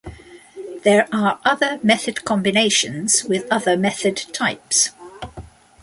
There are other Method-Combinations with other method types.